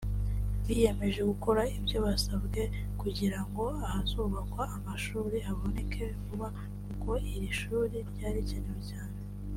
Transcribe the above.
biyemeje gukora ibyo basabwe kugirango ahazubakwa amashuri haboneke vuba kuko iri shuri ryari rikenewe cyane